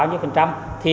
bao nhiêu phần trăm